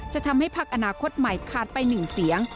จะทำให้ภักดิ์อนาคตใหม่คาดไปหนึ่งเสียง